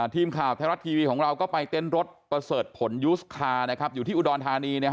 ทีมข่าวไทยรัฐทีวีของเราก็ไปเต้นรถประเสริฐผลยูสคาร์อยู่ที่อุดรธานี